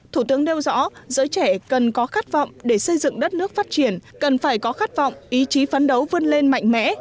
thủ tướng nêu rõ giới trẻ cần có khát vọng để xây dựng đất nước phát triển cần phải có khát vọng ý chí phấn đấu vươn lên mạnh mẽ